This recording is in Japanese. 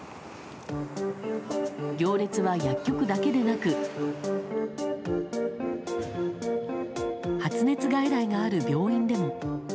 行列は薬局だけでなく発熱外来がある病院でも。